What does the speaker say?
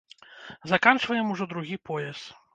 Заканчваем ужо другі пояс.